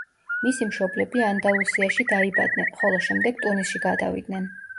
მისი მშობლები ანდალუსიაში დაიბადნენ, ხოლო შემდეგ ტუნისში გადავიდნენ.